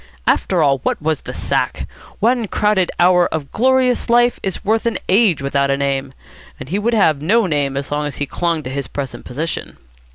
After all, what was the sack? One crowded hour of glorious life is worth an age without a name, and he would have no name as long as he clung to his present position.